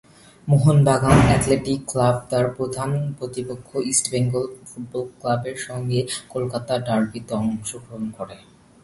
Mohun Bagan athletic club তার প্রধান প্রতিপক্ষ ইস্টবেঙ্গল ফুটবল ক্লাবের সঙ্গে কলকাতা ডার্বিতে অংশগ্রহণ করে।